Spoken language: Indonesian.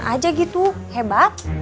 penasaran aja gitu hebat